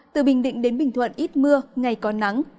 từ bình định đến bình thuận ít mưa ngày có nắng